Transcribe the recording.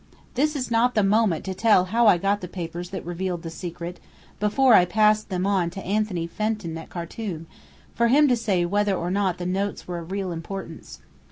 This is not the moment to tell how I got the papers that revealed the secret, before I passed them on to Anthony Fenton at Khartum, for him to say whether or not the notes were of real importance.